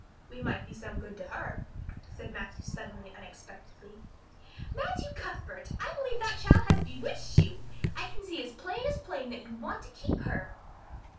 "We might be some good to her," said Matthew suddenly and unexpectedly. "Matthew Cuthbert, I believe that child has bewitched you! I can see as plain as plain that you want to keep her."